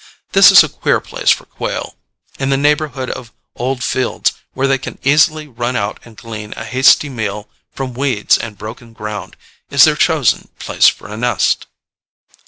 This is a queer place for quail: in the neighborhood of old fields, where they can easily run out and glean a hasty meal from weeds and broken ground, is their chosen place for a nest.